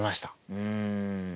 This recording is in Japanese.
うん。